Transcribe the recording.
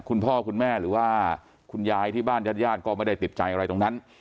คุณพ่อคุณแม่หรือว่าคุณยายที่บ้านญาติญาติก็ไม่ได้ติดใจอะไรตรงนั้น